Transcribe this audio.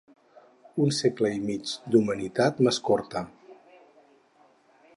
Un segle i mig d'humanitat m'escorta.